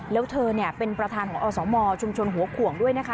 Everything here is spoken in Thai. แล้วเธอเป็นประธานของอสมชุมชนหัวขวงด้วยนะคะ